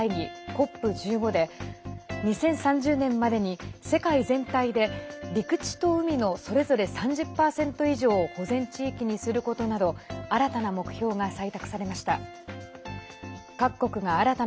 ＣＯＰ１５で２０３０年までに世界全体で陸地と海のそれぞれ３０％以上を保全地域にすることなど新たな目標が採択されました。